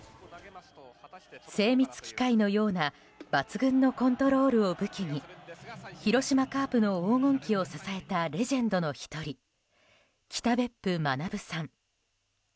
精密機械のような抜群のコントロールを武器に広島カープの黄金期を支えたレジェンドの１人北別府学さん。